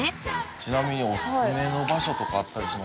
ちなみにおすすめの場所とかあったりしますか？